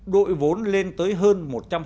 đội vốn lên tới hơn một trăm hai mươi sáu